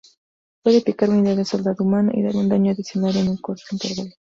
Pueden picar unidades soldado humano y dar un daño adicional en un corto intervalo.